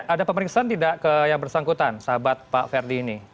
ada pemeriksaan tidak yang bersangkutan sahabat pak ferdis ini